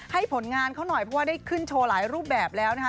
ผลงานเขาหน่อยเพราะว่าได้ขึ้นโชว์หลายรูปแบบแล้วนะคะ